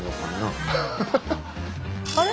あれ？